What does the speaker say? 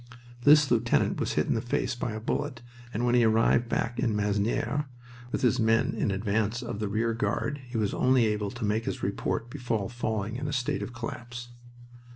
This lieutenant was hit in the face by a bullet, and when he arrived back in Masnieres with his men in advance of the rear guard he was only able to make his report before falling in a state of collapse.